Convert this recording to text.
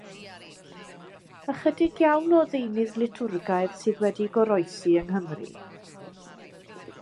Ychydig iawn o ddeunydd litwrgaidd sydd wedi goroesi yng Nghymru.